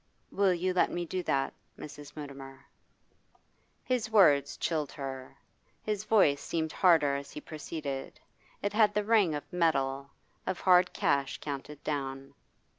Will you let me do that, Mrs. Mutimer?' His words chilled her. His voice seemed harder as he proceeded; it had the ring of metal, of hard cash counted down.